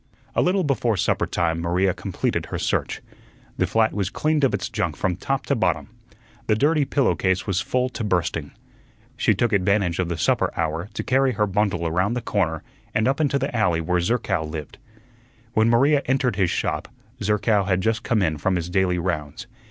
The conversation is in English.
A little before supper time Maria completed her search. The flat was cleaned of its junk from top to bottom. The dirty pillow case was full to bursting. She took advantage of the supper hour to carry her bundle around the corner and up into the alley where Zerkow lived. When Maria entered his shop, Zerkow had just come in from his daily rounds.